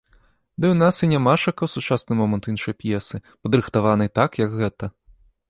Ды ў нас і нямашака ў сучасны момант іншай п'есы, падрыхтаванай так, як гэта.